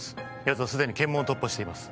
やつはすでに検問を突破しています